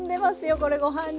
これご飯に。